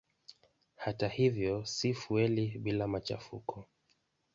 Hata hivyo si fueli bila machafuko.